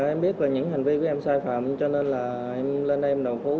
em biết là những hành vi của em sai phạm cho nên là em lên đây em đầu thú